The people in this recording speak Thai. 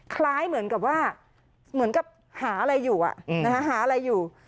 คล้ายเหมือนกับว่าเหมือนกับหาอะไรอยู่หาอะไรอยู่